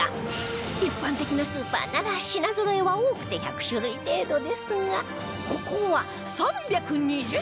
一般的なスーパーなら品ぞろえは多くて１００種類程度ですがここは３２０種類超え